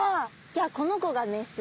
じゃあこの子がメス。